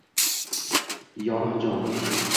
yoniq jon.